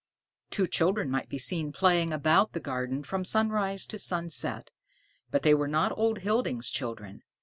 Two children might be seen playing about the garden from sunrise to sunset, but they were not old Hilding's children.